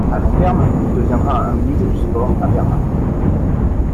À long terme, il deviendra un musée du sport à Berlin.